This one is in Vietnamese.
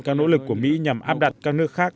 các nỗ lực của mỹ nhằm áp đặt các nước khác